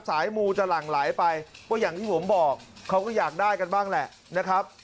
มูจะหลั่งไหลไปก็อย่างที่ผมบอกเขาก็อยากได้กันบ้างแหละนะครับ